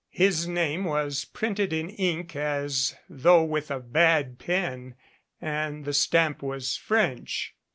His name was printed in ink as though with a bad pen and the stamp was French.